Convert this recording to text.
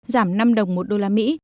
giảm năm đồng một đô la mỹ